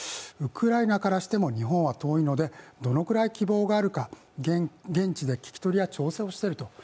ウクライナからしても日本は遠いのでどのくらい希望があるか、現地で聞き取りや調整をしていると。